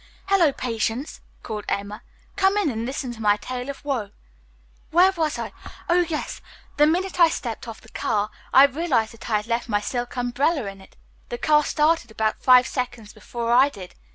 "Hello, Patience!" called Emma. "Come in and listen to my tale of woe. Where was I? Oh, yes, the minute I stepped off the car I realized that I had left my silk umbrella in it. The car started about five seconds before I did.